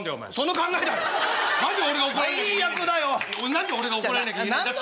何で俺が怒られなきゃいけないんだって。